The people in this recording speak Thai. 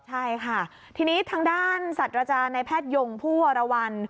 ใช่ค่ะทีนี้ทางด้านสัตว์อาจารย์ในแพทยงผู้วรวรรณ